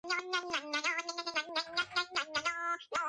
იმავე წელს უესექსის სამეფოს შეუერთდა სასექსი, ესექსი და კენტი.